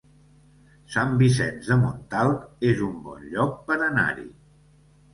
Sant Vicenç de Montalt es un bon lloc per anar-hi